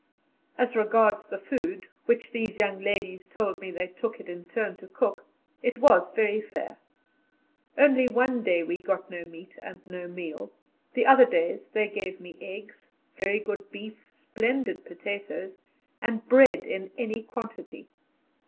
As regards the food, which these young ladies told me they took it in turn to cook, it was very fair; only one day we got no meat and no meal; the other days they gave me eggs, very good beef, splendid potatoes, and bread in any quantity.